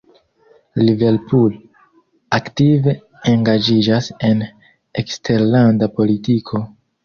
Liverpool aktive engaĝiĝas en eksterlanda politiko.